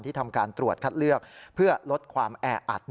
ทำการตรวจคัดเลือกเพื่อลดความแออัด